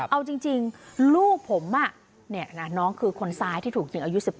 เอาจริงลูกผมน้องคือคนซ้ายที่ถูกยิงอายุ๑๘